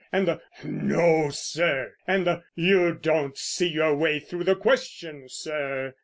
and the "No, sir!" and the "You don't see your way through the question, sir!"